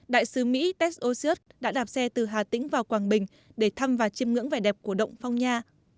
đại sứ mỹ ted osius đã đạp xe từ hà tĩnh vào quảng bình để thăm và chìm ngưỡng vẻ đẹp của động phong nha